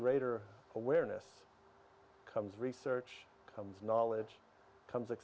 dan dengan pengetahuan yang lebih besar